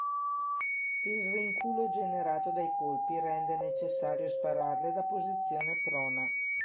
Il rinculo generato dai colpi rende necessario spararle da posizione prona.